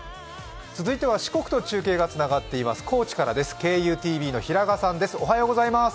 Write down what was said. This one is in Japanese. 続いては四国と中継がつながっています。